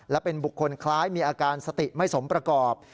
และเป็นบุคคลคล้ายมีอาการสติไม่สมประกอบ